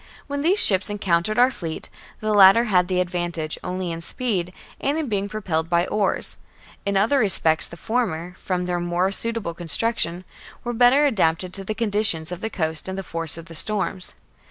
When these ships encountered our fleet, the latter had the advantage only in speed and in being propelled by oars ; in other respects the former, from their more suitable construction, were better adapted to the conditions of the coast and the force of the storms.